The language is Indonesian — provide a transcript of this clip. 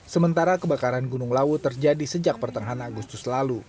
sementara kebakaran gunung lawu terjadi sejak pertengahan agustus lalu